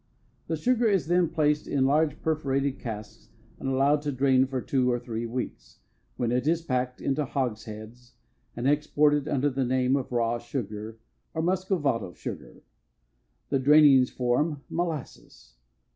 This sugar is then placed in large perforated casks and allowed to drain for two or three weeks, when it is packed into hogsheads and exported under the name of raw sugar or muscovado sugar. The drainings form molasses.